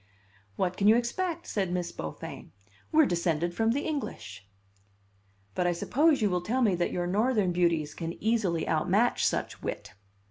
"'What can you expect?' said Miss Beaufain; 'we're descended from the English.'" "But I suppose you will tell me that your Northern beauties can easily outmatch such wit."